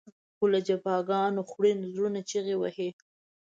خو له جفاګانو خوړین زړونه چغې وهي.